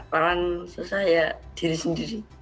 orang susah ya diri sendiri